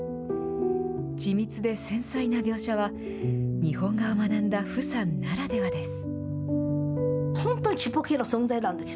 緻密で繊細な描写は、日本画を学んだ傅さんならではです。